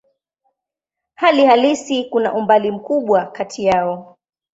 Hali halisi kuna umbali mkubwa kati yao.